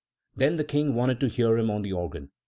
Then the King wanted to hear him on the organ.